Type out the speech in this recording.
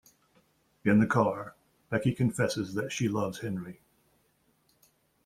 In the car, Becky confesses that she loves Henry.